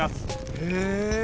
へえ。